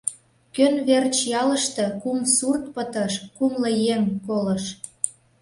Кӧн верч ялыште кум сурт пытыш, кумло еҥ колыш?